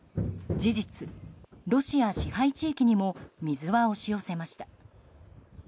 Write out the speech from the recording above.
事実、ロシア支配地域にも水は押し寄せました。